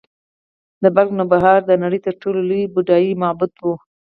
د بلخ نوبهار د نړۍ تر ټولو لوی بودايي معبد و